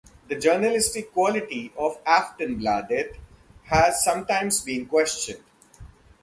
The journalistic quality of "Aftonbladet" has sometimes been questioned.